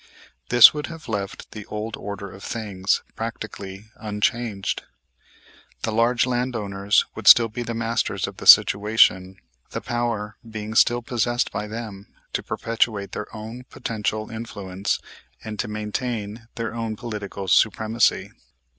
This would have left the old order of things practically unchanged. The large landowners would still be the masters of the situation, the power being still possessed by them to perpetuate their own potential influence and to maintain their own political supremacy.